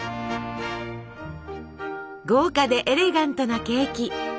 豪華でエレガントなケーキ。